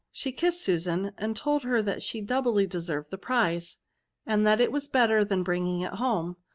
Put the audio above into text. She kissed Susan, and told her that she doubly deserved the prize, and that was better than bringing it home.